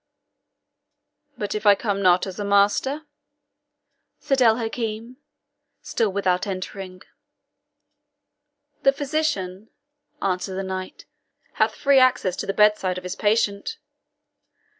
"But if I come not as a master?" said El Hakim, still without entering. "The physician," answered the knight, "hath free access to the bedside of his patient."